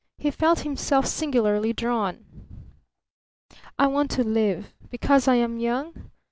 He felt himself singularly drawn. "I want to live. Because I am young?